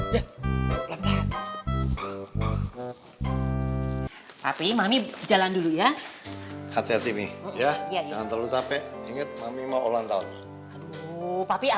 ya udah udah samperin dia